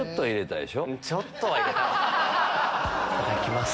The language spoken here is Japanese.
いただきます。